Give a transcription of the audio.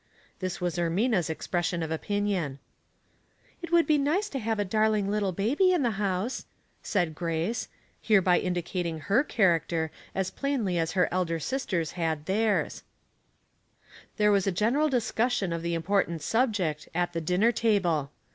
This was Ermina's expression of opinion. " It would be nice to have a darling little baby in the house," said Grace ; hereby indica ting her character as plainly as her elder sistera bad theirs. 190 Household Puzzles, There was a general discussion of the impor tant subject at the dinner table.